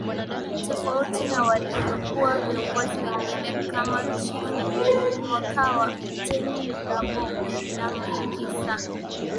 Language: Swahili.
tofauti na walivyokuwa viongozi wengine kama Chifu Mkwawa Mtemi Mirambo and Mangi Sina